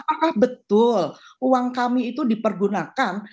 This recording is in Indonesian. apakah betul uang kami itu dipergunakan